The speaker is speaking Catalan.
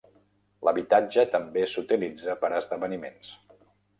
L'habitatge també s'utilitza per a esdeveniments.